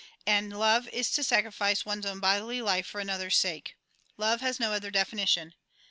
And love is to sacrifice one's own bodily life for another's salce. Love has no other definition.